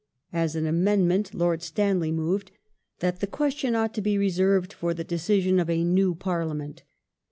As an amendment Lord Stanley moved that the question ought to be reserved for the decision of a new Parliament.